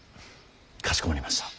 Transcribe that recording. かしこまりました。